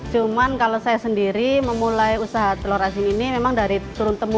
cuman kalau saya sendiri memulai usaha telur asin ini memang dari turun temu